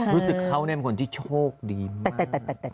รู้สึกเขาเป็นคนที่โชคดี